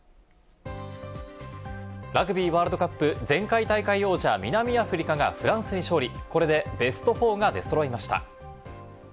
ラグビーワールドカップ、前回大会王者・南アフリカがフランスに勝利、これでベスト４が出そろいました。